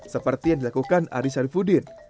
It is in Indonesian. seperti yang dilakukan arie sarifudin